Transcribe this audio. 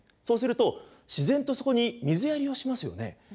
そうすると自然とそこに水やりをしますよね。